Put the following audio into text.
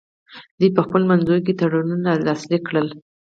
دوی په خپلو منځونو کې تړونونه لاسلیک کړل